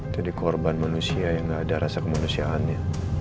jadi korban manusia yang nggak ada rasa kemanusiaannya